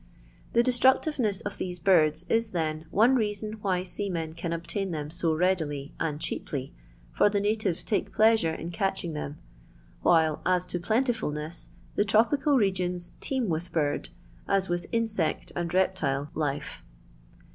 The destructiveness of these birds, is then, one reason why seamen can obtain them so readily and cheaply, for the natives take pleasure in catching them ; while as to plentifulness, the tropical re gions teem with bird, as with insect and reptile, life.